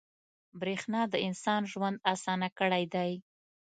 • برېښنا د انسان ژوند اسانه کړی دی.